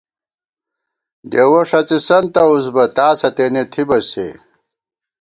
ڈېوَہ ݭڅِسن توُس بہ، تاسہ تېنے تھِبہ سے